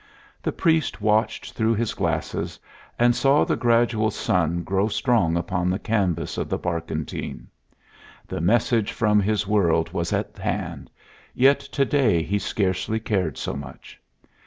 The priest watched through his glasses, and saw the gradual sun grow strong upon the canvas of the barkentine. The message from his world was at hand, yet to day he scarcely cared so much.